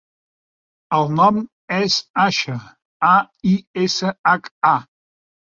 El nom és Aisha: a, i, essa, hac, a.